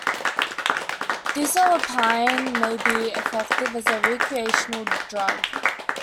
Dizocilpine may be effective as a recreational drug.